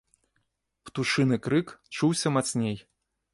Птушыны крык чуўся мацней.